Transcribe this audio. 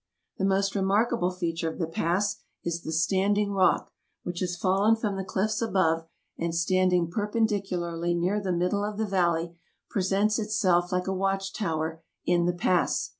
The most remarkable feature of the pass is the Standing Rock, which has fallen from the cliffs above, and standing perpendicularly near the middle of the valley, presents itself like a watch tower in the pass.